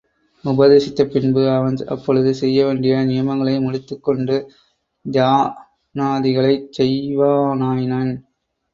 உபதேசித்த பின்பு அவன் அப்பொழுது செய்யவேண்டிய நியமங்களை முடித்துக்கொண்டு தியானாதிகளைச் செய்வானாயினன்.